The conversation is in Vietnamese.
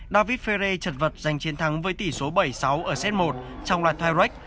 david ferre trật vật giành chiến thắng với tỷ số bảy sáu ở set một trong loạt tie break